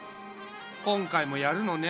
今回もやるのね。